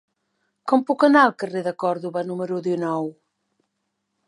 Com puc anar al carrer de Còrdova número dinou?